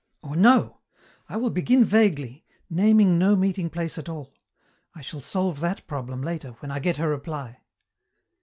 Or no, I will begin vaguely, naming no meeting place at all. I shall solve that problem later, when I get her reply."